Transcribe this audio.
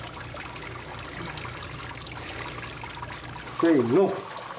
せの。